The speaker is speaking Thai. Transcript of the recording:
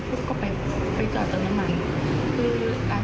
และก็จะรับความจริงของตัวเอง